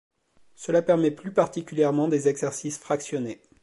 Cela permet plus particulièrement des exercices fractionnés.